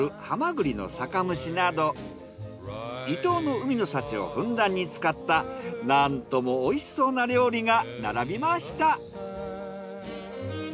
ハマグリの酒蒸しなど伊東の海の幸をふんだんに使ったなんともおいしそうな料理が並びました。